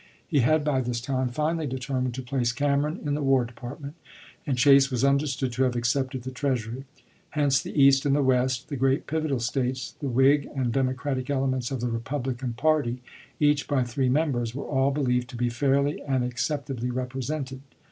He had by this time finally determined to place Cameron in the War Depart ment, arid Chase was understood to have accepted the Treasury. Hence the East and the West, the great "pivotal States," the Whig and Democratic elements of the Republican party each by three members, were all believed to be fairly and accept ably represented.